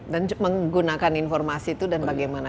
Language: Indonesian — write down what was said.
dan menggunakan informasi itu dan bagaimana